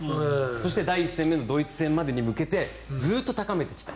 そして、第１戦目のドイツ戦に向けてずっと高めてきた。